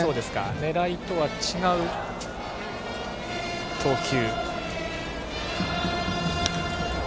狙いとは違う投球。